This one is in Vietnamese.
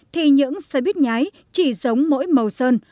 thì những xe buýt nhái chỉ giống mỗi màu sơn